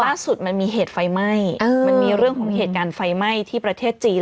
ล่าสุดมันมีเหตุไฟไหม้มันมีเรื่องของเหตุการณ์ไฟไหม้ที่ประเทศจีน